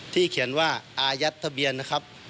เขียนว่าอายัดทะเบียนนะครับ